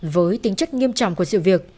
với tính chất nghiêm trọng của sự việc